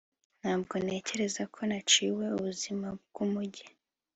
ntabwo ntekereza ko naciwe ubuzima bwumujyi